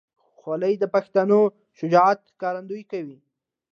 خولۍ د پښتنو شجاعت ښکارندویي کوي.